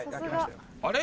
あれ？